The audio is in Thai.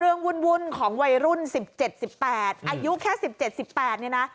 วุ่นของวัยรุ่น๑๗๑๘อายุแค่๑๗๑๘เนี่ยนะ